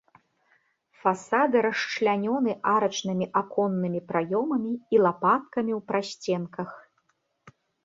Фасады расчлянёны арачнымі аконнымі праёмамі і лапаткамі ў прасценках.